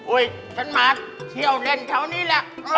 อุ๊ยฉันมาเที่ยวเล่นเท่านี้แหละ